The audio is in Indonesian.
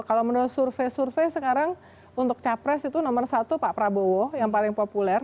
kalau menurut survei survei sekarang untuk capres itu nomor satu pak prabowo yang paling populer